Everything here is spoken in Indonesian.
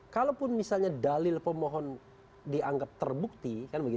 kalaupun misalnya dalil pemohon dianggap terbukti